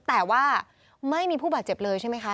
แต่ว่าไม่มีผู้บาดเจ็บเลยใช่ไหมคะ